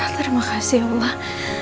terima kasih allah